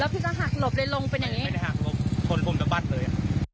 แล้วพี่จะหักหลบเลยลงไปไหนชนพำทำบัตรเลย